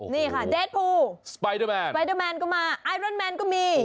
นี่ค่ะเด็ดพูสไปเดอร์แมนก็มาไอรอนแมนก็มี